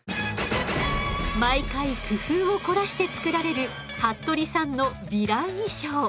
毎回工夫を凝らして作られる服部さんのヴィラン衣装。